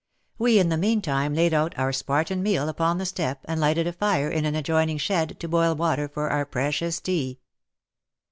We in the meantime laid out our Spartan meal upon the stoep, and lighted a fire in an adjoining shed, to boil water for our precious tea.